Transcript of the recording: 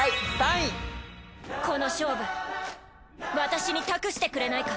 この勝負私に託してくれないか？